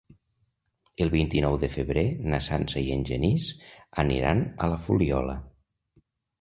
El vint-i-nou de febrer na Sança i en Genís aniran a la Fuliola.